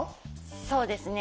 そうですね